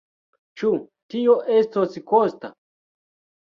Ĉu tio estos kosta?